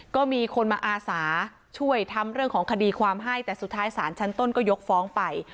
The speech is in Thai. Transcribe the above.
ก็มีคนมาอาสาช่วยทำเรื่องของคดีความให้แต่สุดท้ายศาลชั้นต้นก็ยกฟ้องไป